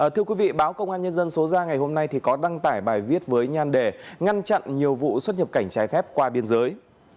thưa quý vị báo công an nhân dân số ra ngày hôm nay có đăng tải bài viết với nhan đề ngăn chặn nhiều vụ xuất nhập cảnh trái phép qua biên giới